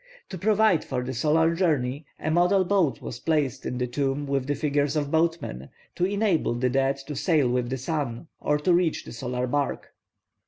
To provide for the solar journey a model boat was placed in the tomb with the figures of boatmen, to enable the dead to sail with the sun, or to reach the solar bark.